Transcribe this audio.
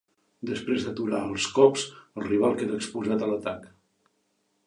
Després d'aturar els cops, El rival queda exposat a l'atac.